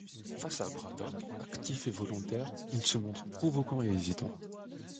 Face à Braddock actif et volontaire, il se montre provocant et hésitant.